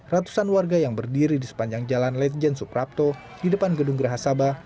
ratusan warga yang berdiri di sepanjang jalan lejen suprapto di depan gedung gerahasaba